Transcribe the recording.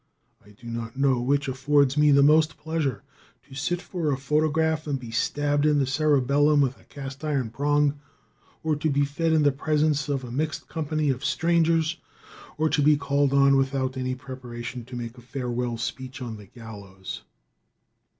I do not know which affords me the most pleasure to sit for a photograph and be stabbed in the cerebellum with a cast iron prong, to be fed in the presence of a mixed company of strangers, or to be called on without any preparation to make a farewell speech on the gallows.